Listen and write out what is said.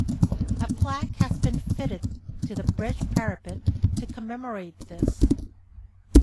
A plaque has been fitted to the bridge parapet to commemorate this.